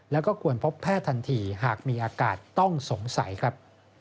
แล้วก็ควรพบแพทย์ทันทีหากมีอากาศต้องสงสัยครับ